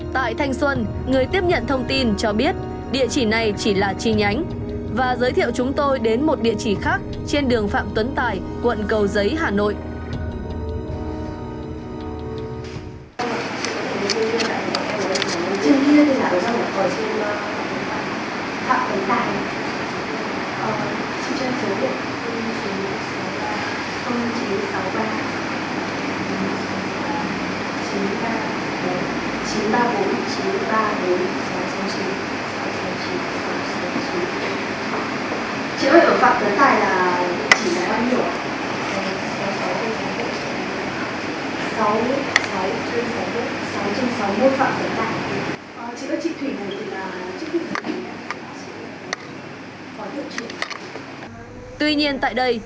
tại thanh xuân người tiếp nhận thông tin cho biết địa chỉ này chỉ là chi nhánh và giới thiệu chúng tôi đến một địa chỉ khác trên đường phạm tuấn tài quận cầu giấy hà nội